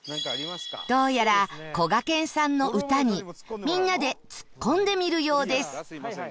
どうやらこがけんさんの歌にみんなでツッコんでみるようです